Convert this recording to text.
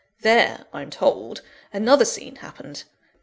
There, I'm told, another scene happened.